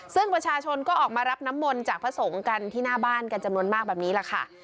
ซึ่งประชาชนก็ออกมารับน้ำมนต์จากพระสงฆ์กันที่หน้าบ้านกันจำนวนมากแบบนี้แหละค่ะ